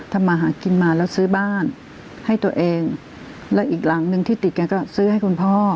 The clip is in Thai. ทำมาหากินมาแล้วซื้อบ้านให้ตัวเองแล้วอีกหลังนึงที่ติดแกก็ซื้อให้คุณพ่อ